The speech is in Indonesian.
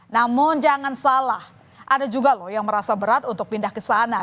namun jangan salah ada juga loh yang merasa berat untuk pindah ke sana